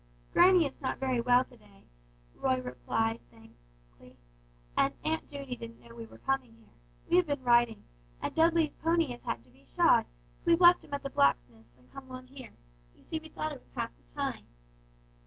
"Granny is not very well to day," replied Roy, frankly, "and Aunt Judy didn't know we were coming here. We have been riding, and Dudley's pony has had to be shod, so we've left him at the blacksmith's and come on here. You see we thought it would pass the time."